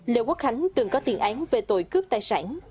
lê quốc khánh từng có tiền án về tội cướp tài sản